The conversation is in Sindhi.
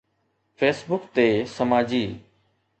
Facebook تي سماجي